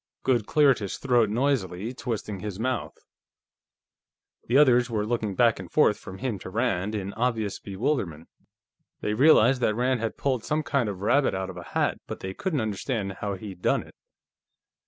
Goode cleared his throat noisily, twisting his mouth. The others were looking back and forth from him to Rand, in obvious bewilderment; they realized that Rand had pulled some kind of a rabbit out of a hat, but they couldn't understand how he'd done it.